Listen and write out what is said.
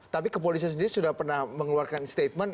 tapi kepolisian sendiri sudah pernah mengeluarkan statement